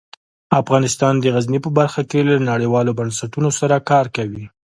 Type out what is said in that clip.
افغانستان د غزني په برخه کې له نړیوالو بنسټونو سره کار کوي.